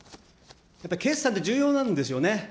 やっぱり決算って重要なんですよね。